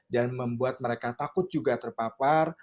dan membuat mereka takut juga terpapar